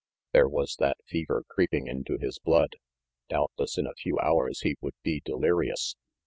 There was that fever creeping into his blood. Doubtless in a few hours he would be delirious.